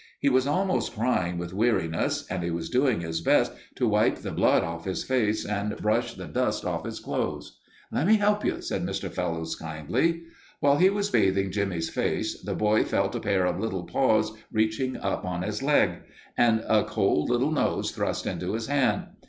He was almost crying with weariness and he was doing his best to wipe the blood off his face and brush the dust off his clothes. "Let me help you," said Mr. Fellowes, kindly. While he was bathing Jimmie's face, the boy felt a pair of little paws reaching up on his leg, and a cold little nose thrust into his hand.